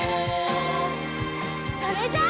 それじゃあ。